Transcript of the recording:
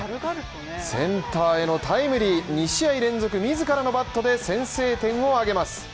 センターへのタイムリー２試合連続自らのバットで先制点を挙げます